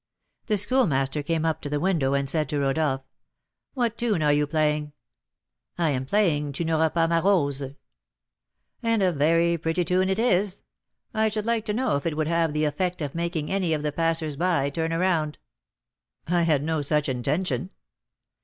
The Schoolmaster came up to the window and said to Rodolph: "What tune are you playing?" "I am playing 'Tu n'auras pas ma rose.'" "And a very pretty tune it is. I should like to know if it would have the effect of making any of the passers by turn round?" "I had no such intention."